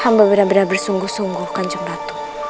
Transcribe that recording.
hamba benar benar bersungguh sungguh kanjeng ratu